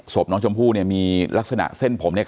ศพน้องชมพู่เนี่ยมีลักษณะเส้นผมเนี่ย